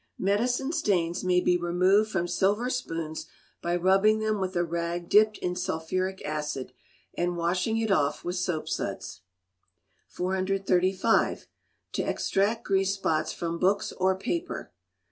Medicine Stains may be removed from silver spoons by rubbing them with a rag dipped in sulphuric acid, and washing it off with soapsuds. 435. To Extract Grease Spots from Books or Paper.